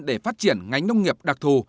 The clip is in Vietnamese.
để phát triển ngánh nông nghiệp đặc thù